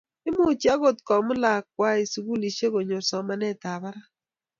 Imuchi akot komut lakokwai sikulishek konyor somanet ab brak